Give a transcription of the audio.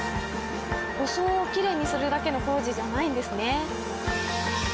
装をきれいにするだけの工事じゃないんですね。